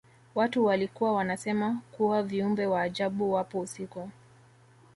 Watu walikuwa wanasema kuwa viumbe wa ajabu wapo usiku